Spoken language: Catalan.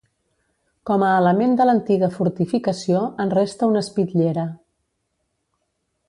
Com a element de l'antiga fortificació en resta una espitllera.